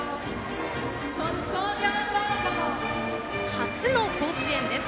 初の甲子園です。